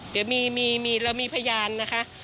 เดี๋ยวมีเรามีพยานนะคะ